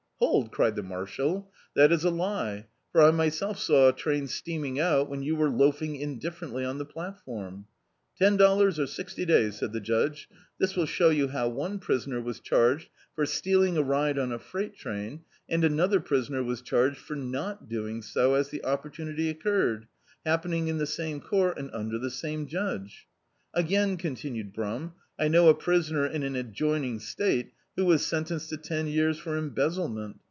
"Hold," cried the marshal, "that is a lie, for I my self saw a trun steaming out when you were loafing indifferently on the platform." "Ten dollars, or ^xty days," said the judge. This will show you how one prisoner was charged for stealii^ a ride on a freight train, and another prisoner was charged for not doing so as the opportunity occurred, hap pening in the same court, and under the same judge. Again," OHitinued Brum, "I know a prisoner, in an adjoining state, who was sentenced to ten years for embezzlement.